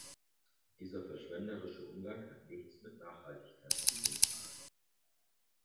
Dieser verschwenderische Umgang hat nichts mit Nachhaltigkeit zu tun.